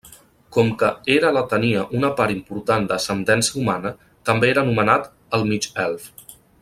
Com que era la tenia una part important d'ascendència humana, també era anomenat el mig-elf.